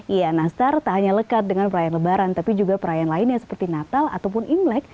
iya nastar tak hanya lekat dengan perayaan lebaran tapi juga perayaan lainnya seperti natal ataupun imlek